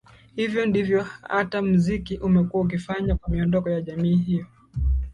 Hivyo hata mziki umekuwa ukifanya kwa miondoko ya jamii hiyo